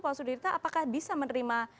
pak sudirta apakah bisa menerima